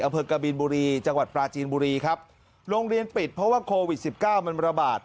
อเผิกกะบีนบุรีจังหวัดปลาจีนบุรีครับโรงเรียนปิดเพราะว่าโควิด๑๙มันบรรบาด